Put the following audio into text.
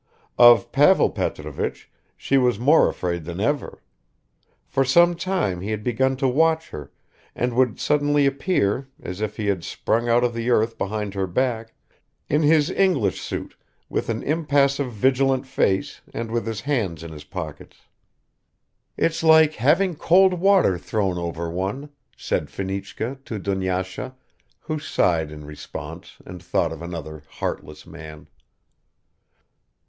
Of Pavel Petrovich she was more afraid than ever; for some time he had begun to watch her, and would suddenly appear, as if he had sprung out of the earth behind her back, in his English suit with an impassive vigilant face and with his hands in his pockets. "It's like having cold water thrown over one," said Fenichka to Dunyasha, who sighed in response and thought of another "heartless" man.